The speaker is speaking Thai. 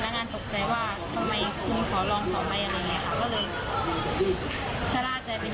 แล้วก็เขาก็เลยใส่คอแล้วก็ถอดออกแล้วก็วิ่งไป